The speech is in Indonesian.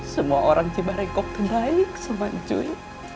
semua orang ciba rekop terbaik sama cuy